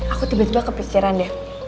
aku tiba tiba kepikiran deh